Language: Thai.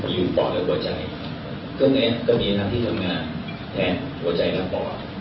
อยู่ปอดและหัวใจนี้ก็มีลักษณะที่ทำงานแทนหัวใจกับปอด